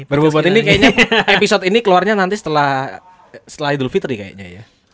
berbobot ini kayaknya episode ini keluarnya nanti setelah idul fitri kayaknya ya